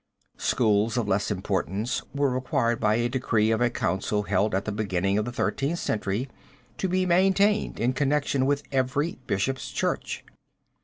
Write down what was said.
Schools of less importance were required by a decree of a council held at the beginning of the Thirteenth Century to be maintained in connection with every bishop's church.